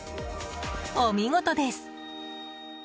お見事です。